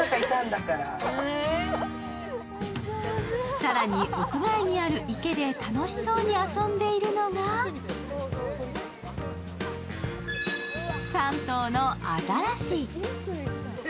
更に屋外にある池で楽しそうに遊んでいるのが３頭のアザラシ。